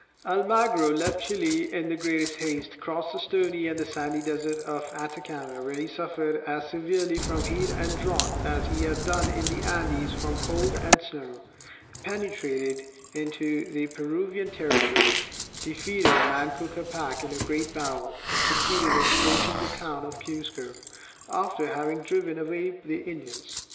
Almagro left Chili in the greatest haste, crossed the stony and sandy desert of Atacama, where he suffered as severely from heat and drought as he had done in the Andes from cold and snow, penetrated into the Peruvian territory, defeated Manco Capac in a great battle, and succeeded in approaching the town of Cuzco, after having driven away the Indians.